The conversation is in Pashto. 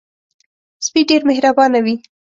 سپي ډېر مهربانه وي.